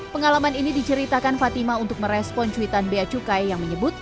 pengalaman ini diceritakan fatima untuk merespon cuitan bea cukai yang menyebut